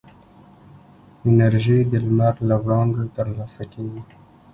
انرژي د لمر له وړانګو ترلاسه کېږي.